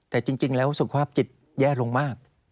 แต่จริงแล้วสุขภาพจิตแย่ลงมาก